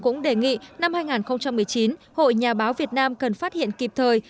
trưởng ban tuyên giáo trung ương cũng đề nghị năm hai nghìn một mươi chín hội nhà báo việt nam cần phát hiện kịp thời